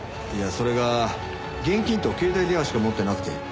いやそれが現金と携帯電話しか持ってなくて。